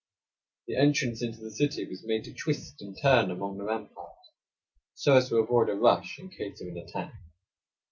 The entrance into the city was made to twist and turn among the ramparts, so as to avoid a rush in case of an attack.